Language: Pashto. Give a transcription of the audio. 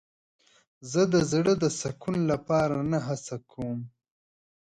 زه د زړه د سکون لپاره نه هڅه کوم.